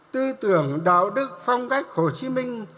tư tưởng đạo đức phong cách hồ chí minh